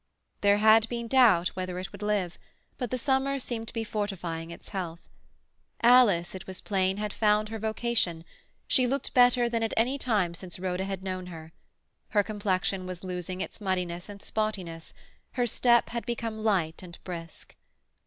There had been doubt whether it would live, but the summer seemed to be fortifying its health. Alice, it was plain, had found her vocation; she looked better than at any time since Rhoda had known her. Her complexion was losing its muddiness and spottiness; her step had become light and brisk.